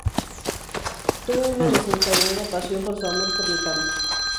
Tuvo una desencadenada pasión por su amor por el canto.